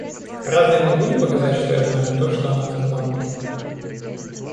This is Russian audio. Разве я могу не показать, что я знаю то, что она сказала мне?